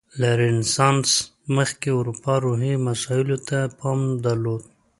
له رنسانس مخکې اروپا روحي مسایلو ته پام درلود.